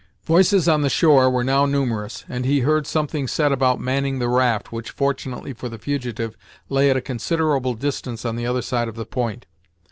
Voices on the shore were now numerous, and he heard something said about manning the raft, which, fortunately for the fugitive, lay at a considerable distance on the other side of the point.